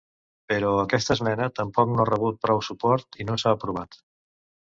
Però aquesta esmena tampoc no ha rebut prou suport i no s’ha aprovat.